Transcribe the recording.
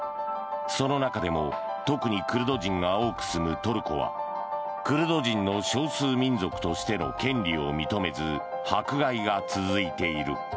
その中でも特にクルド人が多く住むトルコはクルド人の少数民族としての権利を認めず迫害が続いている。